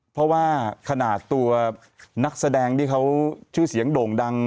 เพราะว่าขนาดตัวนักแสดงที่เขาชื่อเสียงโด่งดัง